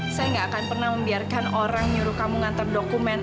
saya tidak akan pernah membiarkan orang menyuruh kamu mengantar dokumen